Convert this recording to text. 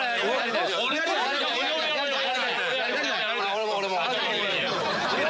俺も俺も！